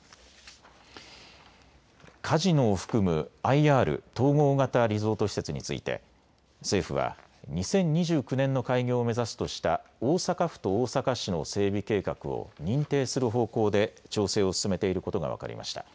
カジノを含むＩＲ・統合型リゾート施設について政府は２０２９年の開業を目指すとした大阪府と大阪市の整備計画を認定する方向で調整を進めていることが分かりまし。